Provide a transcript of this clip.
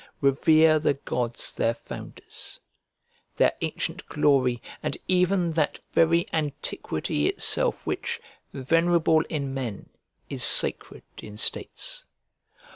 Revere the gods their founders; their ancient glory, and even that very antiquity itself which, venerable in men, is sacred in states.